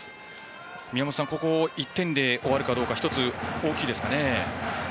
宮本さん、ここ１点で終わるかどうか１つ大きいですね。